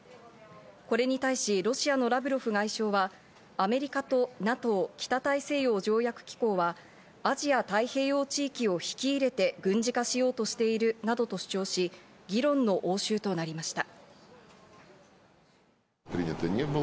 これに対しロシアのラブロフ外相は、アメリカとＮＡＴＯ＝北大西洋条約機構は、アジア太平洋地域を引き入れて軍事化しようとしているなどと主張し、議論の応酬となりました。